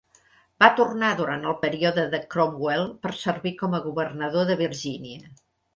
Va tornar durant el període de Cromwell per servir com a governador de Virgínia.